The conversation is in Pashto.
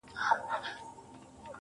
انسانه واه واه نو، قتل و قتال دي وکړ~